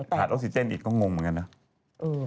ออกซิเจนอีกก็งงเหมือนกันนะ